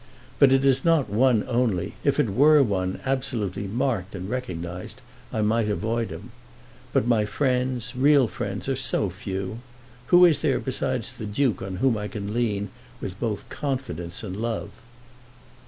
But it is not one only. If it were one, absolutely marked and recognised, I might avoid him. But my friends, real friends, are so few! Who is there besides the Duke on whom I can lean with both confidence and love?"